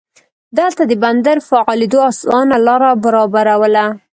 دلته د بندر فعالېدو اسانه لار برابرواله.